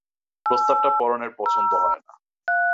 প্রস্তাবটা পরাণের পছন্দ হয় না।